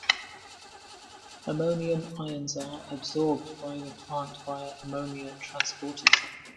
Ammonium ions are absorbed by the plant via ammonia transporters.